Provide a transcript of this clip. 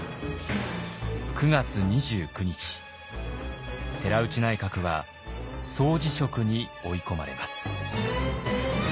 ９月２９日寺内内閣は総辞職に追い込まれます。